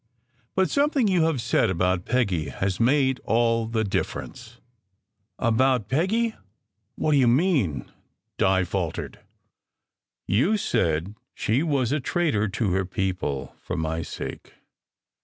But something you have said about Peggy has made all the difference." "About Peggy? What do you mean?" Di faltered. "You said that she was a * traitor to her people for my sake.